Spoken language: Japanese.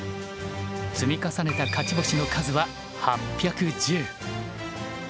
積み重ねた勝ち星の数は８１０。